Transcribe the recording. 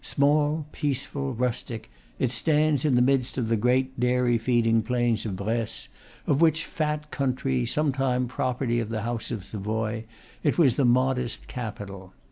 Small, peaceful, rustic, it stands in the midst of the great dairy feeding plains of Bresse, of which fat county, sometime property of the house of Savoy, it was the modest capital.